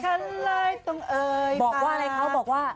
ฉันเลยต้องเอ่ยว่า